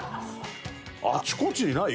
あちこちにない？